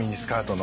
の